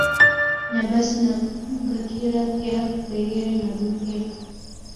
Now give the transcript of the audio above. Nyabasi na Bakira pia Bairege na Bagumbe